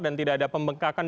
dan tidak ada pembengkakan